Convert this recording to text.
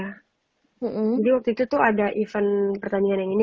jadi waktu itu tuh ada event pertandingan yang ini